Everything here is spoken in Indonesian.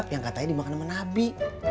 yang katanya dimakan sama nabi